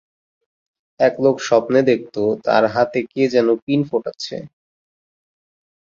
এক লোক স্বপ্নে দেখত, তার হাতে কে যেন পিন ফোটাচ্ছে।